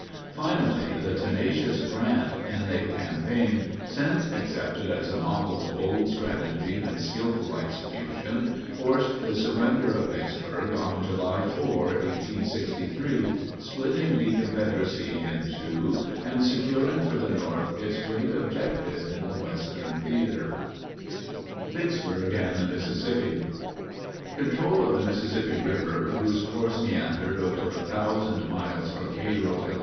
Finally the tenacious Grant, in a campaign since accepted as a model of bold strategy and skillful execution, forced the surrender of Vicksburg on July 4, 1863, splitting the Confederacy in two and securing for the North its great objective in the Western Theater._ VICKSBURG AND THE MISSISSIPPI. Control of the Mississippi River, whose course meandered over 1,000 miles from Cairo, Ill.